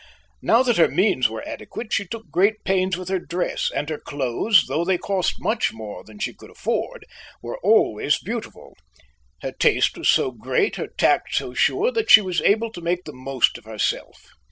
Now that her means were adequate she took great pains with her dress, and her clothes, though they cost much more than she could afford, were always beautiful. Her taste was so great, her tact so sure, that she was able to make the most of herself.